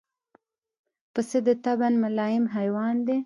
پسه د طبعاً ملایم حیوان دی.